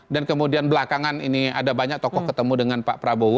dan kemudian belakangan ini ada banyak tokoh ketemu dengan pak prabowo